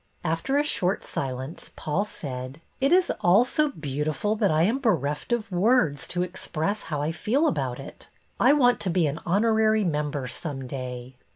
After a short silence Paul said, " It is all so beautiful that I am bereft of words to express how I feel about it. I want to be an honorary member some day."